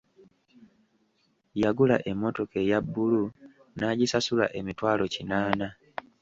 Yagula emmotoka eya bbulu n'agisasula emitwalo kinaana.